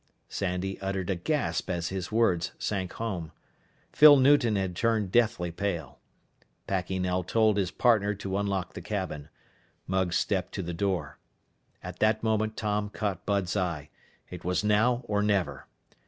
Sandy uttered a gasp as his words sank home. Phyl Newton had turned deathly pale. Packy now told his partner to unlock the cabin. Mugs stepped to the door. At that moment Tom caught Bud's eye. _It was now or never!